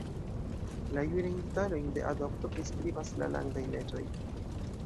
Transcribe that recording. La jurajn detalojn de adopto priskribas la landaj leĝoj.